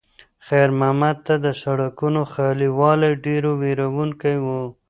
خیر محمد ته د سړکونو خالي والی ډېر وېروونکی و.